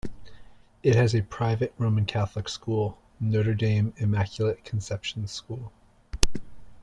It has a private Roman Catholic school, Notre Dame-Immaculate Conception School.